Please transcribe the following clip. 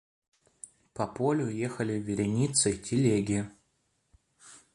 По полю ехали вереницей телеги.